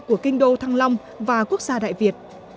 của kinh đô thăng long và quốc gia đại việt